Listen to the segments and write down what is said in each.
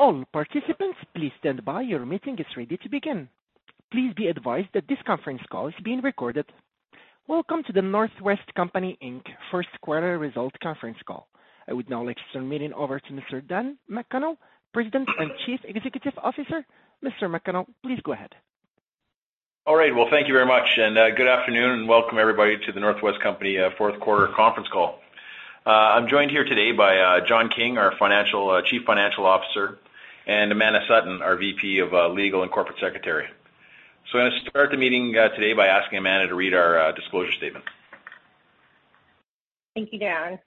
Welcome to The North West Company Inc Fourth Quarter Results Conference Call. I would now like to turn the meeting over to Mr. Dan McConnell, President and Chief Executive Officer. Mr. McConnell, please go ahead. All right. Well, thank you very much. Good afternoon, and welcome everybody to The North West Company fourth quarter conference call. I'm joined here today by John King, our Chief Financial Officer, and Amanda Sutton, our VP of Legal and Corporate Secretary. I'm gonna start the meeting today by asking Amanda to read our disclosure statement. Thank you, Dan.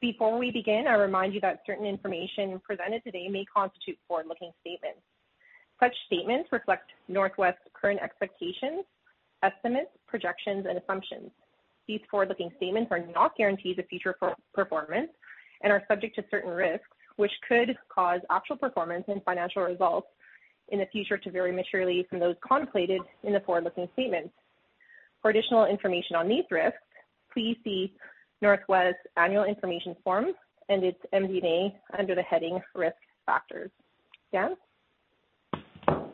Before we begin, I remind you that certain information presented today may constitute forward-looking statements. Such statements reflect North West's current expectations, estimates, projections, and assumptions. These forward-looking statements are not guarantees of future performance and are subject to certain risks, which could cause actual performance and financial results in the future to vary materially from those contemplated in the forward-looking statements. For additional information on these risks, please see North West's annual information forms and its MD&A under the heading Risk Factors. Dan? All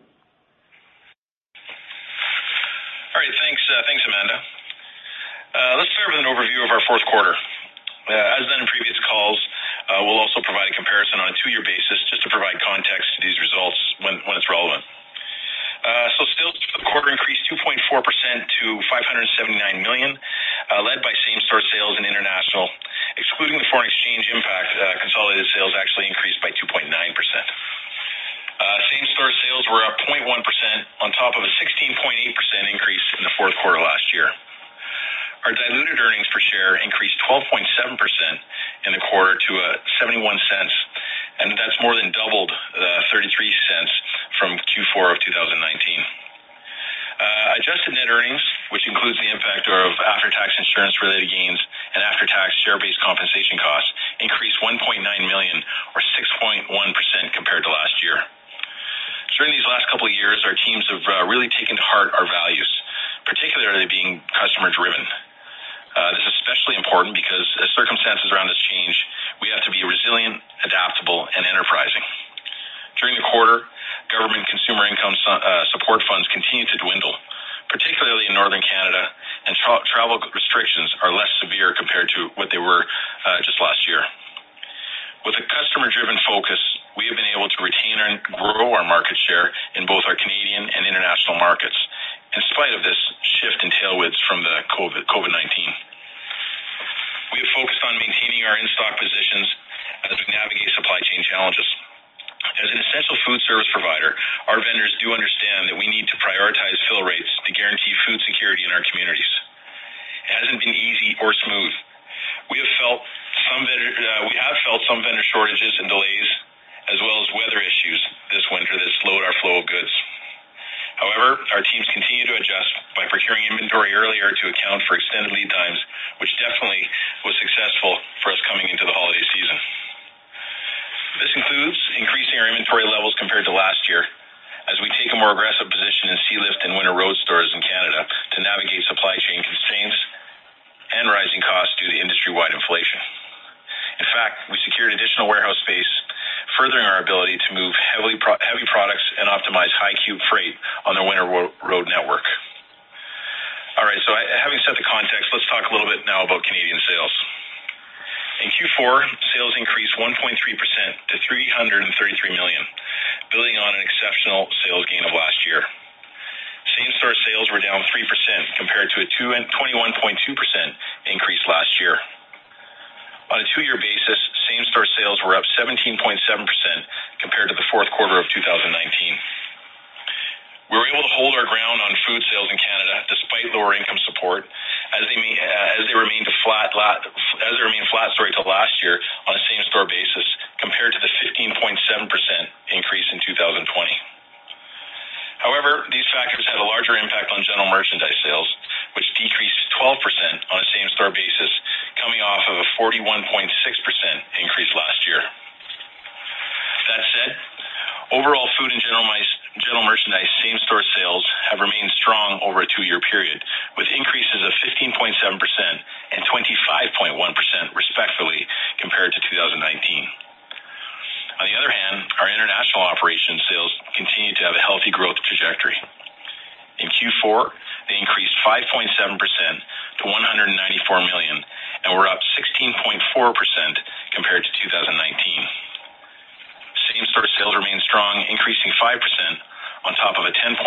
right. Thanks, Amanda. Let's start with an overview of our fourth quarter. As done in previous calls, we'll also provide a comparison on a two-year basis just to provide context to these results when it's relevant. Sales for the quarter increased 2.4% to 579 million, led by same-store sales in international. Excluding the foreign exchange impact, consolidated sales actually increased by 2.9%. Same-store sales were up 0.1% on top of a 16.8% increase in the fourth quarter last year. Our diluted earnings per share increased 12.7% in the quarter to 0.71, and that's more than doubled 0.33 from Q4 of 2019. Adjusted net earnings, which includes the impact of after-tax insurance-related gains and after-tax share-based compensation costs, increased 1.9 million or 6.1% compared to last year. During these last couple of years, our teams have really taken to heart our values, particularly being customer-driven. This is especially important because as circumstances around us change, we have to be resilient, adaptable, and enterprising. During the quarter, government consumer income support funds continue to dwindle, particularly in Northern Canada, and travel restrictions are less severe compared to what they were just last year. With a customer-driven focus, we have been able to retain and grow our market share in both our Canadian and international markets, in spite of this shift in tailwinds from the COVID-19. We have focused on maintaining our in-stock positions as we navigate supply chain challenges. As an essential food service provider, our vendors do understand that we need to prioritize fill rates to guarantee food security in our communities. It hasn't been easy or smooth. We have felt some vendor shortages and delays as well as weather issues this winter that slowed our flow of goods. However, our teams continue to adjust by procuring inventory earlier to account for extended lead times, which definitely was successful for us coming into the holiday season. This includes increasing our inventory levels compared to last year as we take a more aggressive position in sealift and winter road stores in Canada to navigate supply chain constraints and rising costs due to industry-wide inflation. In fact, we secured additional warehouse space, furthering our ability to move heavy products and optimize high cube freight on the winter road network. All right, having set the context, let's talk a little bit now about Canadian sales. In Q4, sales increased 1.3% to 333 million, building on an exceptional sales gain of last year. Same-store sales were down 3% compared to a 21.2% increase last year. On a two-year basis, same-store sales were up 17.7% compared to the fourth quarter of 2019. We were able to hold our ground on food sales in Canada despite lower income support as they remained flat last year on a same-store basis compared to the 15.7% increase in 2020. However, these factors had a larger impact on general merchandise sales, which decreased 12% on a same-store basis coming off of a 41.6% increase last year. That said, overall food and general merchandise same-store sales have remained strong over a two-year period, with increases of 15.7% and 25.1%, respectively, compared to 2019. On the other hand, our international operations sales continue to have a healthy growth trajectory. In Q4, they increased 5.7% to 194 million and were up 16.4% compared to 2019. Same-store sales remained strong, increasing 5% on top of a 10.7%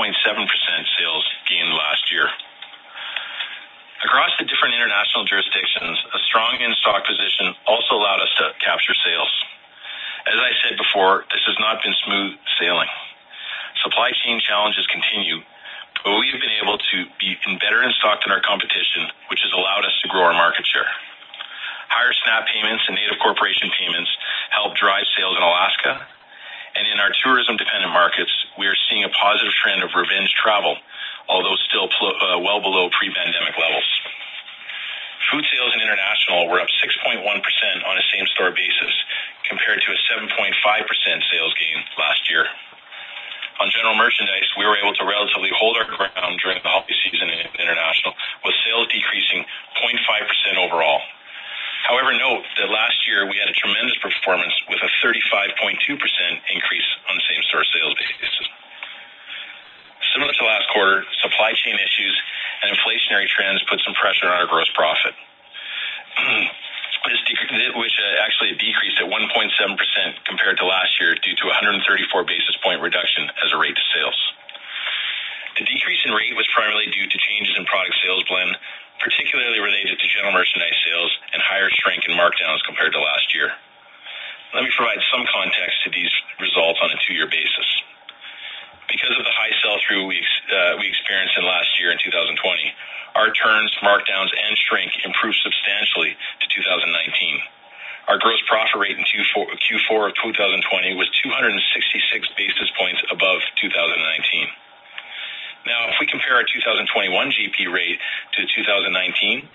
sales gain last year. Across the different international jurisdictions, a strong in-stock position also allowed us to capture sales. As I said before, this has not been smooth sailing. Supply chain challenges continue, but we have been able to be in better in stock than our competition, which has allowed us to grow our market share. Higher SNAP payments and Native corporation payments helped drive sales in Alaska. In our tourism-dependent markets, we are seeing a positive trend of revenge travel, although still below pre-pandemic levels. Food sales in international were up 6.1% on a same-store basis compared to a 7.5% sales gain last year. On general merchandise, we were able to relatively hold our ground during the holiday season in international, with sales decreasing 0.5% overall. However, note that last year we had a tremendous performance with a 35.2% increase on same-store sales basis. Similar to last quarter, supply chain issues and inflationary trends put some pressure on our gross profit. Which actually decreased 1.7% compared to last year due to a 134 basis point reduction as a rate to sales. The decrease in rate was primarily due to changes in product sales blend, particularly related to general merchandise sales and higher shrink in markdowns compared to last year. Let me provide some context to these results on a two-year basis. Of the high sell-through we experienced in last year in 2020, our returns, markdowns, and shrink improved substantially to 2019. Our gross profit rate in Q4 of 2020 was 266 basis points above 2019. Now, if we compare our 2021 GP rate to 2019,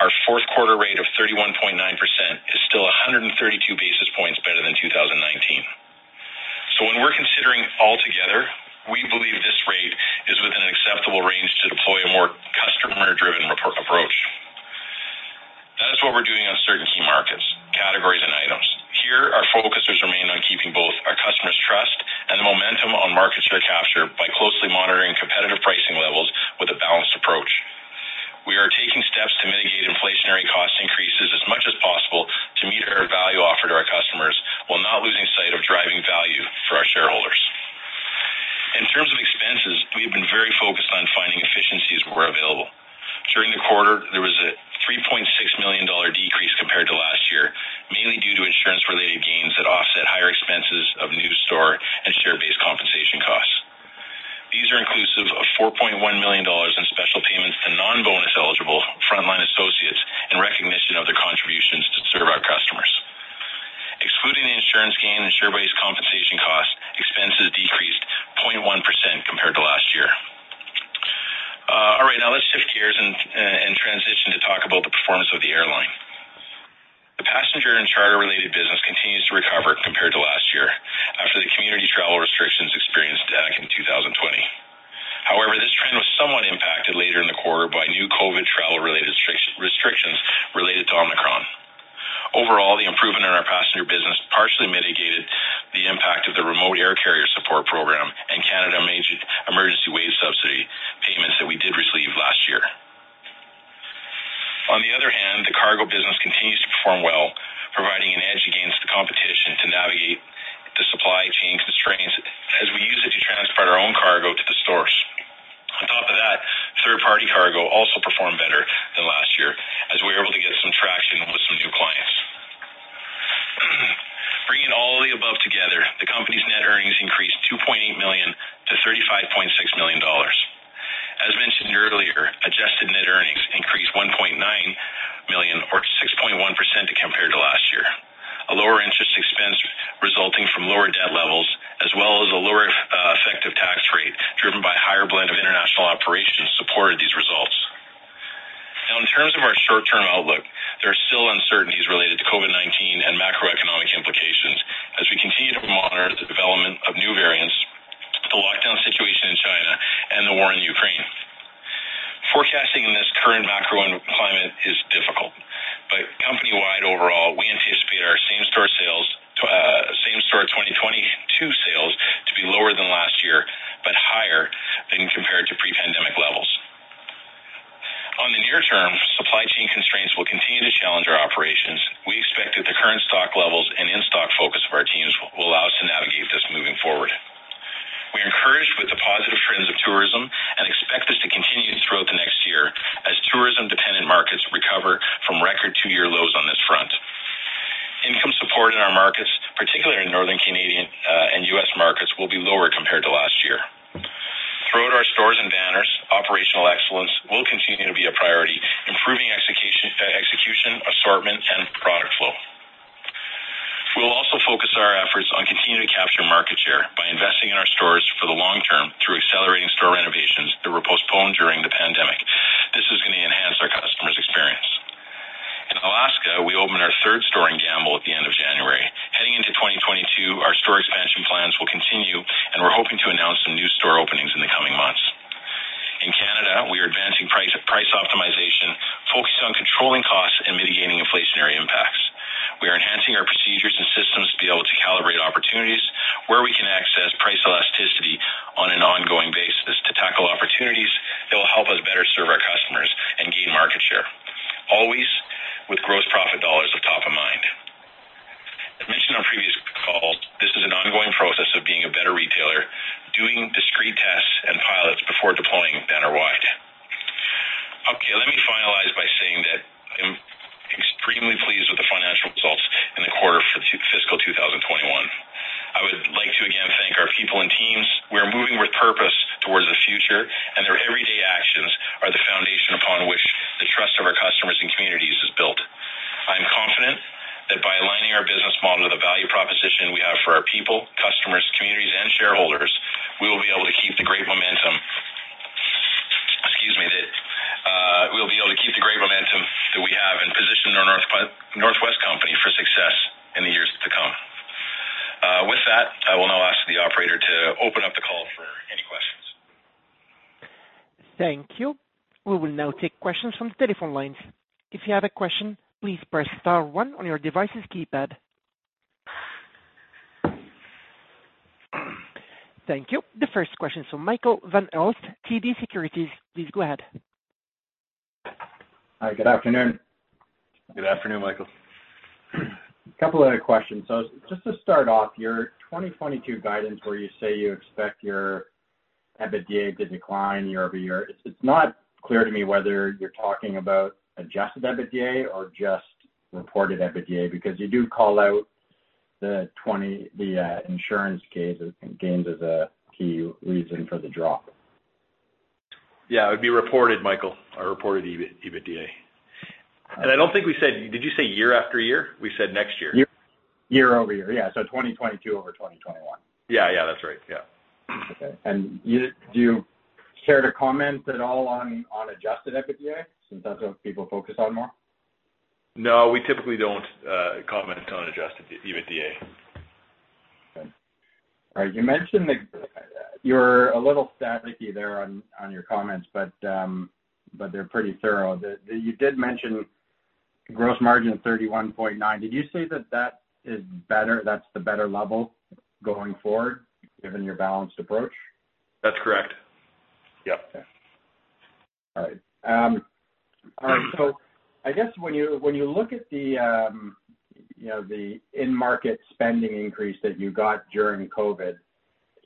our fourth quarter rate of 31.9% is still 132 basis points better than 2019. When we're considering altogether, we believe this rate is within an acceptable range to deploy a more customer-driven approach. That is what we're doing on certain key markets, categories, and items. Here, our focus has remained on keeping both our customers' trust and the momentum on market share capture by closely monitoring competitive pricing levels with a balanced approach. We are taking steps to mitigate inflationary cost increases as much as possible to meet our value offer to our customers while not losing sight of driving value for our shareholders. In terms of expenses, we have been very focused on finding efficiencies where available. During the quarter, there was a 3.6 million dollar decrease compared to last year, mainly due to insurance-related gains that offset higher expenses of new store and share-based compensation costs. These are inclusive of 4.1 million dollars in special payments to non-bonus eligible frontline associates in recognition of their contributions to serve our customers. Excluding the insurance gain and share-based compensation costs, expenses decreased 0.1% compared to last year. Now let's shift gears and transition to talk about the performance of the airline. The passenger and charter-related business continues to recover compared to last year after the community travel restrictions experienced back in 2020. However, this trend was somewhat impacted later in the quarter by new COVID travel-related restrictions related to Omicron. Overall, the improvement in our passenger business partially mitigated the impact of the Remote Air Services Program and Canada Emergency Wage Subsidy payments that we did receive last year. On the other hand, the cargo business continues to perform well, providing an edge against the competition to navigate the supply chain constraints as we use it to transport our own cargo to the stores. On top of that, third-party cargo also performed better than last year as we were able to get some traction with some new clients. Bringing all of the above together, the company's net earnings increased 2.8 million to 35.6 million dollars. As mentioned earlier, adjusted net earnings increased 1.9 million or 6.1% compared to last year. A lower interest expense resulting from lower debt levels as well as a lower, effective tax rate driven by higher blend of international operations supported these results. Now, in terms of our short-term outlook, there are still uncertainties related to COVID-19 and macroeconomic implications as we continue to monitor the development of new variants, the lockdown situation in China, and the war in Ukraine. Forecasting in this current macro climate is difficult, but company-wide overall, we anticipate our same-store 2022 sales to be lower than last year, but higher than compared to pre-pandemic levels. On the near term, supply chain constraints will continue to challenge our operations. We expect that the current stock levels and in-stock focus of our teams will allow us to navigate this moving forward. We're encouraged with the positive trends of tourism and expect this to continue throughout the next year as tourism-dependent markets recover from record two-year lows on this front. Income support in our markets, particularly in northern Canadian and U.S. markets, will be lower compared to last year. Throughout our stores and banners, operational excellence will continue to be a priority, improving execution, assortment, and product flow. We'll also focus our efforts on continuing to capture market share by investing in our stores for the long term through accelerating store renovations that were postponed during the pandemic. This is gonna enhance our customers' experience. In Alaska, we opened our third store in Gambell at the end of January. Heading into 2022, our store expansion plans will continue, and we're hoping to announce some new store openings in the coming months. In Canada, we are advancing price optimization focused on controlling costs and mitigating inflationary impacts. We are enhancing our procedures and systems to be able to calibrate opportunities where we can access price elasticity on an ongoing basis to tackle opportunities that will help us better serve our customers and gain market share, always with gross profit dollars at top of mind. As mentioned on previous calls, this is an ongoing process of being a better retailer, doing discrete tests and pilots before deploying banner-wide. Okay, let me finalize by saying that I am extremely pleased with the financial results in the quarter for fiscal 2021. I would like to again thank our people and teams. We are moving with purpose towards the future, and their everyday actions are the foundation upon which the trust of our customers and communities is built. I am confident that by aligning our business model to the value proposition we have for our people, customers, communities, and shareholders, we will be able to keep the great momentum that we have and position our North West Company for success in the years to come. With that, I will now ask the operator to open up the call for any questions. Thank you. We will now take questions from the telephone lines. Thank you. The first question is from Michael Van Aelst, TD Securities. Please go ahead. Hi. Good afternoon. Good afternoon, Michael. Couple other questions. Just to start off, your 2022 guidance where you say you expect your EBITDA to decline year-over-year. It's not clear to me whether you're talking about Adjusted EBITDA or just reported EBITDA because you do call out the insurance gains as a key reason for the drop. Yeah, it would be reported, Michael, our reported EBITDA. I don't think we said. Did you say year-after-year? We said next year. Year-over-year. Yeah. 2022 over 2021. Yeah. Yeah, that's right. Yeah. Okay. Do you care to comment at all on Adjusted EBITDA since that's what people focus on more? No, we typically don't comment on Adjusted EBITDA. Okay. All right. You're a little staticky there on your comments, but they're pretty thorough. You did mention gross margin of 31.9%. Did you say that is better, that's the better level going forward given your balanced approach? That's correct. Yep. I guess when you look at the in-market spending increase that you got during COVID,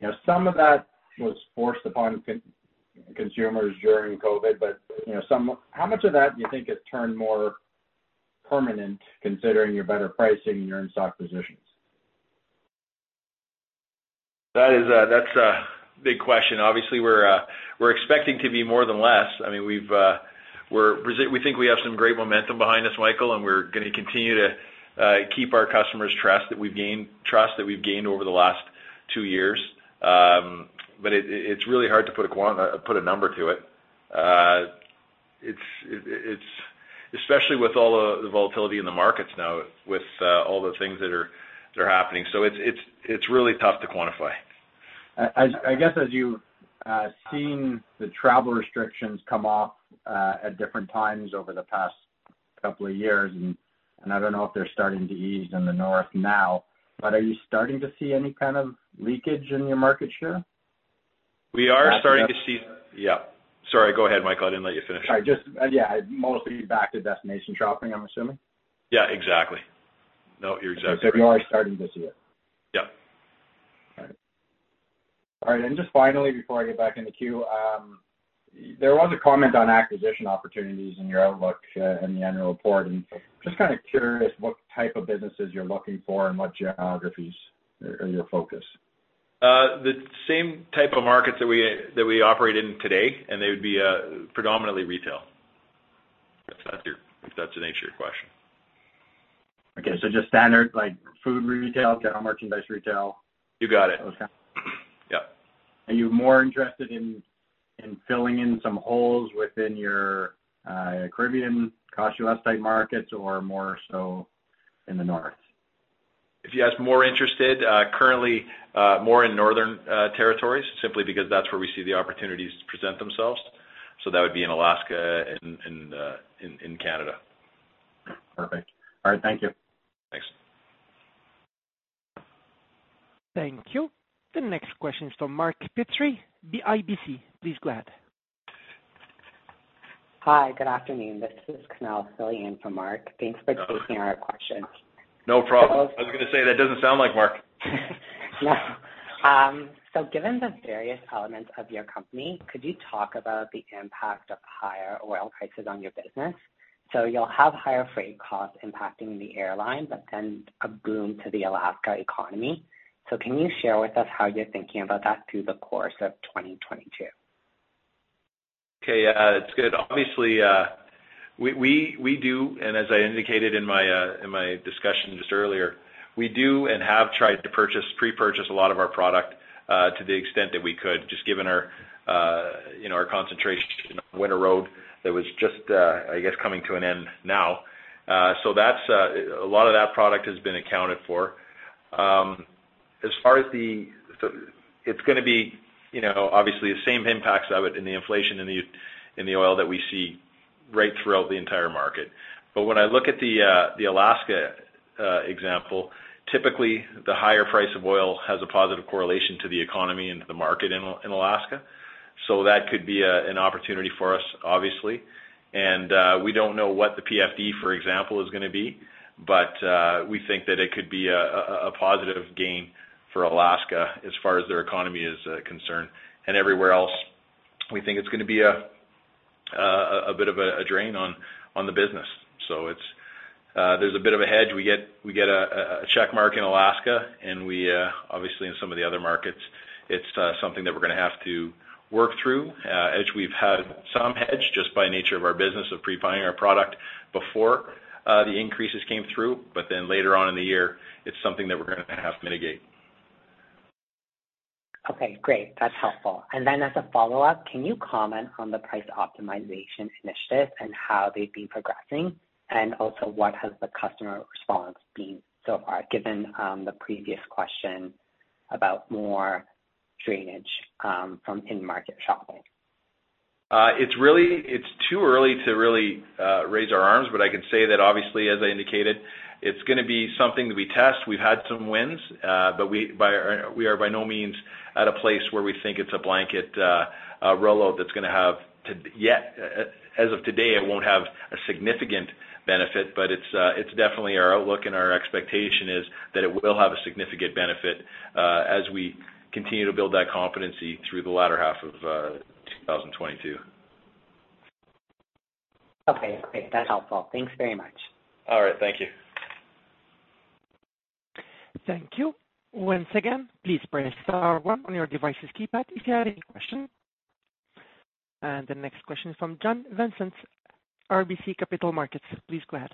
you know, some of that was forced upon consumers during COVID, but, you know, how much of that do you think has turned more permanent considering your better pricing and your in-stock positions? That's a big question. Obviously, we're expecting to be more than less. I mean, we think we have some great momentum behind us, Michael, and we're gonna continue to keep our customers' trust that we've gained over the last two years. But it's really hard to put a number to it. It's especially with all the volatility in the markets now with all the things that are happening. It's really tough to quantify. I guess as you've seen the travel restrictions come off at different times over the past couple of years, and I don't know if they're starting to ease in the north now, but are you starting to see any kind of leakage in your market share? We are starting to see. Back to— Yeah. Sorry, go ahead, Michael. I didn't let you finish. Sorry. Just, yeah, mostly back to destination shopping, I'm assuming. Yeah, exactly. No, you're exactly right. You are starting to see it. Yep. All right. Just finally, before I get back in the queue, there was a comment on acquisition opportunities in your outlook in the annual report. Just kinda curious what type of businesses you're looking for and what geographies are your focus. The same type of markets that we operate in today, and they would be predominantly retail. If that's the nature of your question. Okay. Just standard like food retail, general merchandise retail? You got it. Those kind. Yep. Are you more interested in filling in some holes within your Caribbean Cost-U-Less outside markets or more so in the north? If you ask where we're more interested currently, more in northern territories simply because that's where we see the opportunities present themselves. That would be in Alaska and in Canada. Perfect. All right. Thank you. Thanks. Thank you. The next question is from Mark Petrie, CIBC. Please go ahead. Hi. Good afternoon. This is Camille Fillion for Mark. Thanks for taking our questions. No problem. I was gonna say, that doesn't sound like Mark. No. Given the various elements of your company, could you talk about the impact of higher oil prices on your business? You'll have higher freight costs impacting the airline, but then a boom to the Alaska economy. Can you share with us how you're thinking about that through the course of 2022? Okay. Yeah. It's good. Obviously, we do, and as I indicated in my discussion just earlier, we do and have tried to purchase, pre-purchase a lot of our product, to the extent that we could, just given our, you know, our concentration on winter road that was just, I guess, coming to an end now. That's a lot of that product has been accounted for. It's gonna be, you know, obviously the same impacts of it in the inflation in the, in the oil that we see right throughout the entire market. When I look at the Alaska, example, typically the higher price of oil has a positive correlation to the economy and to the market in in Alaska. That could be an opportunity for us, obviously. We don't know what the PFD, for example, is gonna be, but we think that it could be a positive gain for Alaska as far as their economy is concerned. Everywhere else, we think it's gonna be a bit of a drain on the business. There's a bit of a hedge. We get a check mark in Alaska and obviously in some of the other markets, it's something that we're gonna have to work through, as we've had some hedge just by nature of our business of pre-buying our product before the increases came through. Later on in the year, it's something that we're gonna have to mitigate. Okay, great. That's helpful. As a follow-up, can you comment on the price optimization initiatives and how they've been progressing? Also, what has the customer response been so far, given the previous question about more drainage from in-market shopping? It's too early to really raise our arms, but I can say that obviously, as I indicated, it's gonna be something that we test. We've had some wins, but we are by no means at a place where we think it's a blanket a reload that's gonna have to as of today, it won't have a significant benefit, but it's definitely our outlook and our expectation is that it will have a significant benefit as we continue to build that competency through the latter half of 2022. Okay, great. That's helpful. Thanks very much. All right, thank you. Thank you. Once again, please press star one on your device's keypad if you had any question. The next question is from John Vincent, RBC Capital Markets. Please go ahead.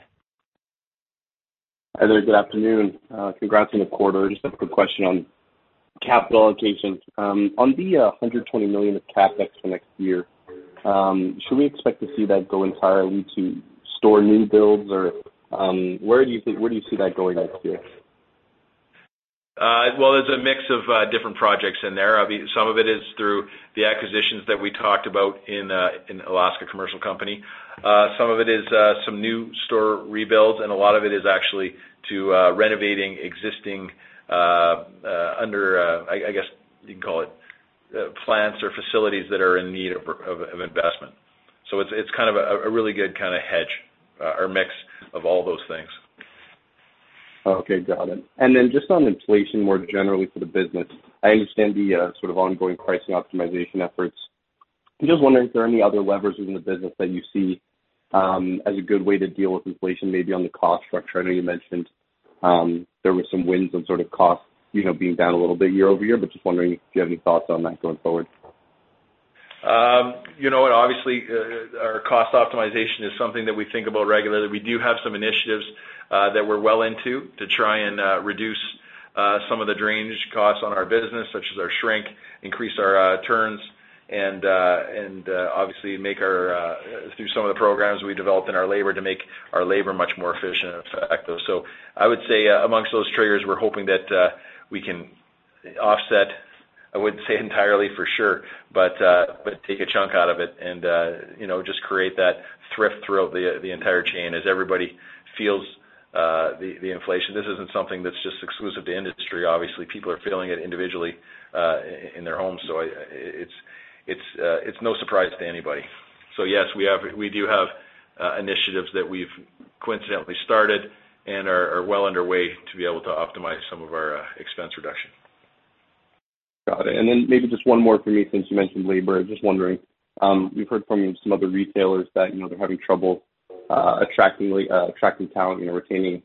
Hi there. Good afternoon. Congrats on the quarter. Just a quick question on capital allocation. On the 120 million of CapEx for next year, should we expect to see that go entirely to store new builds? Or where do you see that going next year? Well, there's a mix of different projects in there. Some of it is through the acquisitions that we talked about in Alaska Commercial Company. Some of it is some new store rebuilds, and a lot of it is actually to renovating existing under, I guess, you can call it, plants or facilities that are in need of investment. It's kind of a really good kinda hedge or mix of all those things. Okay, got it. Just on inflation, more generally for the business. I understand the sort of ongoing pricing optimization efforts. I'm just wondering if there are any other levers within the business that you see as a good way to deal with inflation, maybe on the cost structure. I know you mentioned there were some wins on sort of cost, you know, being down a little bit year over year, but just wondering if you have any thoughts on that going forward. You know what? Obviously, our cost optimization is something that we think about regularly. We do have some initiatives that we're well into to try and reduce some of the drainage costs on our business, such as our shrink, increase our turns and obviously through some of the programs we developed in our labor to make our labor much more efficient and effective. I would say among those triggers, we're hoping that we can offset, I wouldn't say entirely for sure, but take a chunk out of it and you know, just create that thrift throughout the entire chain as everybody feels the inflation. This isn't something that's just exclusive to industry. Obviously, people are feeling it individually in their homes. It's no surprise to anybody. Yes, we do have initiatives that we've coincidentally started and are well underway to be able to optimize some of our expense reduction. Got it. Maybe just one more for me, since you mentioned labor. Just wondering, we've heard from some other retailers that, you know, they're having trouble attracting talent, you know, retaining,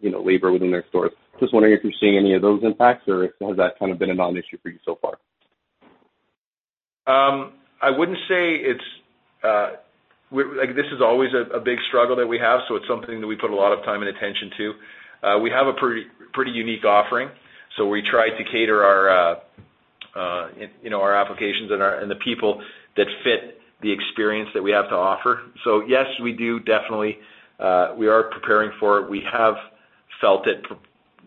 you know, labor within their stores. Just wondering if you're seeing any of those impacts or if that has that kind of been a non-issue for you so far. I wouldn't say it's. Like, this is always a big struggle that we have, so it's something that we put a lot of time and attention to. We have a pretty unique offering, so we try to cater our, you know, our applications and the people that fit the experience that we have to offer. Yes, we do definitely we are preparing for it. We have felt it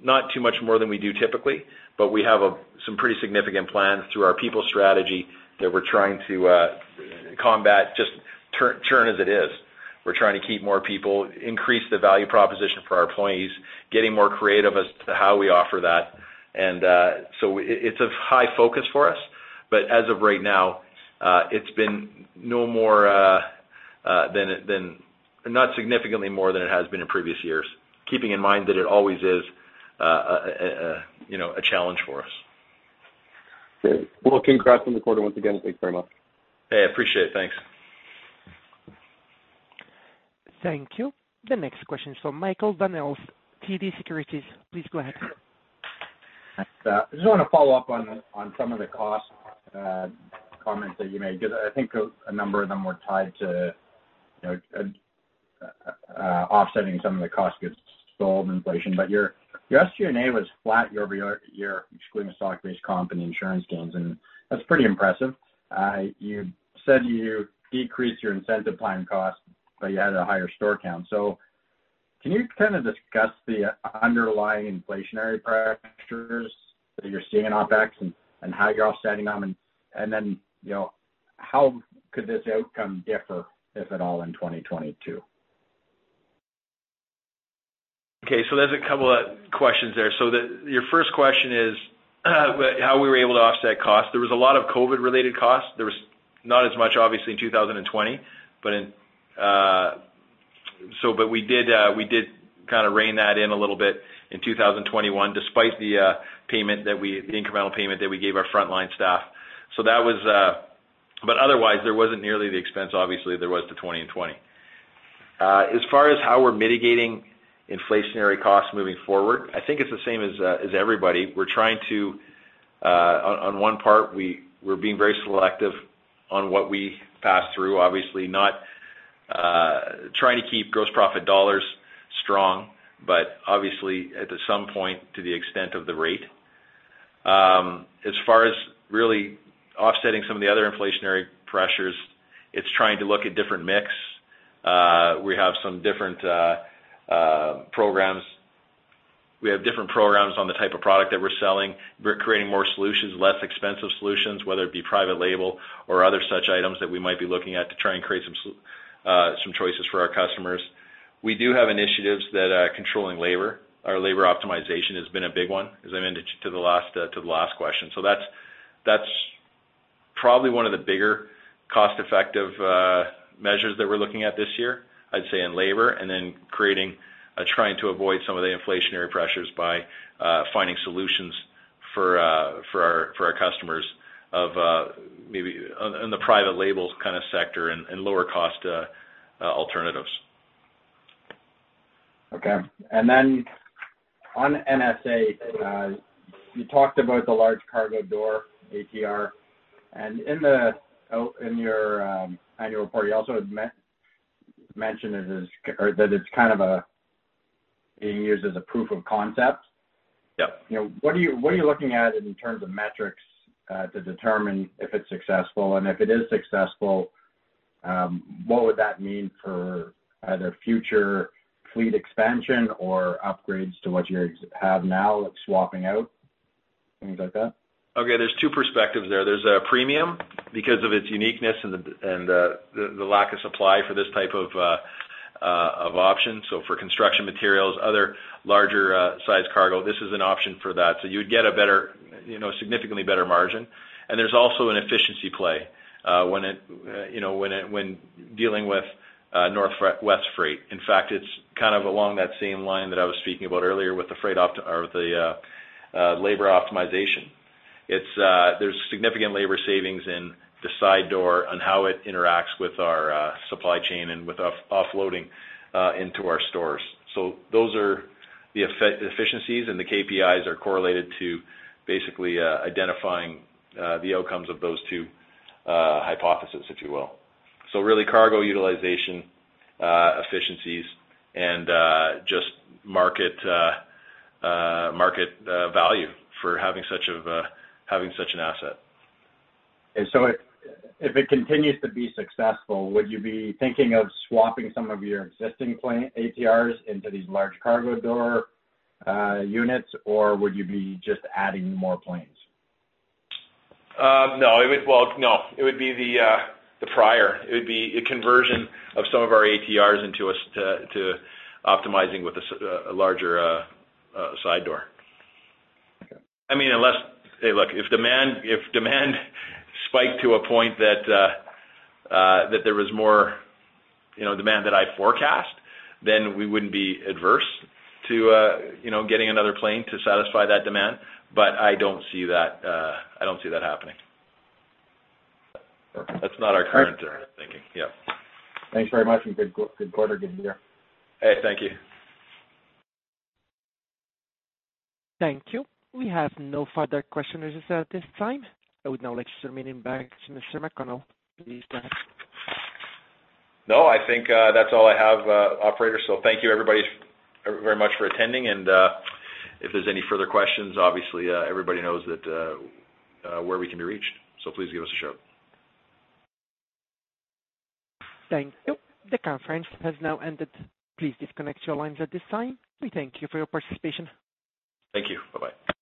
not too much more than we do typically, but we have some pretty significant plans through our people strategy that we're trying to combat just the churn as it is. We're trying to keep more people, increase the value proposition for our employees, getting more creative as to how we offer that. It's a high focus for us. As of right now, it's been no more than not significantly more than it has been in previous years. Keeping in mind that it always is, you know, a challenge for us. Okay. Well, congrats on the quarter once again. Thanks very much. Hey, appreciate it. Thanks. Thank you. The next question is from Michael Van Aelst, TD Securities. Please go ahead. Just wanna follow up on some of the cost comments that you made because I think a number of them were tied to you know offsetting some of the cost of goods sold inflation. Your SG&A was flat year-over-year, excluding the stock-based comp and insurance gains, and that's pretty impressive. You said you decreased your incentive plan costs, but you had a higher store count. Can you kind of discuss the underlying inflationary pressures that you're seeing in OpEx and how you're offsetting them? Then you know how could this outcome differ, if at all, in 2022? Okay, there's a couple of questions there. Your first question is how we were able to offset costs. There was a lot of COVID-related costs. There was not as much, obviously, in 2020, but we did kinda rein that in a little bit in 2021, despite the incremental payment that we gave our frontline staff. Otherwise, there wasn't nearly the expense, obviously, there was to 2020. As far as how we're mitigating inflationary costs moving forward, I think it's the same as everybody. We're trying to on one part, we're being very selective on what we pass through, obviously not trying to keep gross profit dollars strong, but obviously at some point to the extent of the rate. As far as really offsetting some of the other inflationary pressures, it's trying to look at different mix. We have some different programs. We have different programs on the type of product that we're selling. We're creating more solutions, less expensive solutions, whether it be private label or other such items that we might be looking at to try and create some choices for our customers. We do have initiatives that are controlling labor. Our labor optimization has been a big one, as I mentioned to the last question. That's probably one of the bigger cost-effective measures that we're looking at this year, I'd say in labor. Trying to avoid some of the inflationary pressures by finding solutions for our customers maybe on the private labels kind of sector and lower cost alternatives. Okay. On NSA, you talked about the large cargo door, ATR. In your annual report, you also had mentioned it as or that it's kind of being used as a proof of concept. You know, what are you looking at in terms of metrics to determine if it's successful? If it is successful, what would that mean for either future fleet expansion or upgrades to what you have now, like swapping out, things like that? Okay, there's two perspectives there. There's a premium because of its uniqueness and the lack of supply for this type of option. So for construction materials, other larger size cargo, this is an option for that. So you would get a better, you know, significantly better margin. There's also an efficiency play when dealing with North West freight. In fact, it's kind of along that same line that I was speaking about earlier with the labor optimization. There's significant labor savings in the side door on how it interacts with our supply chain and with offloading into our stores. Those are the efficiencies and the KPIs are correlated to basically identifying the outcomes of those two hypothesis, if you will. Really cargo utilization efficiencies and just market value for having such an asset. If it continues to be successful, would you be thinking of swapping some of your existing ATRs into these large cargo door units, or would you be just adding more planes? No, it would be the prior. It would be a conversion of some of our ATRs into optimizing with a larger side door. I mean, hey, look, if demand spiked to a point that there was more, you know, demand than I forecast, then we wouldn't be adverse to, you know, getting another plane to satisfy that demand. But I don't see that happening. That's not our current thinking. Yeah. Thanks very much, and good quarter. Good year. Hey, thank you. Thank you. We have no further questions at this time. I would now like to turn the meeting back to Mr. McConnell, please go ahead. No, I think that's all I have, operator. Thank you everybody very much for attending. If there's any further questions, obviously everybody knows that where we can be reached. Please give us a shout. Thank you. The conference has now ended. Please disconnect your lines at this time. We thank you for your participation. Thank you. Bye-bye.